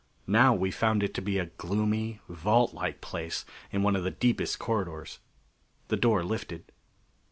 Now we found it to be a gloomy, vaultlike place in one of the deepest corridors. The door lifted.